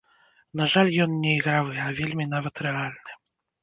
На жаль, ён не ігравы, а вельмі нават рэальны.